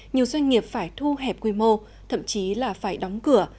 nhiều doanh nghiệp phải thu hẹp quy mô thậm chí là phải đóng cửa